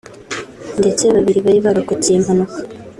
ndetse babiri bari barokotse iyi mpanuka